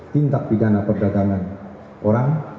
tindak pidana perdagangan orang